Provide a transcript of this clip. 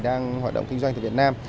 đang hoạt động kinh doanh ở việt nam